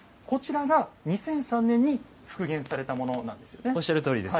左が２００３年に復元されたものなんですね。